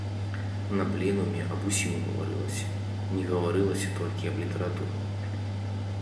На пленуме аб усім гаварылася, не гаварылася толькі аб літаратуры.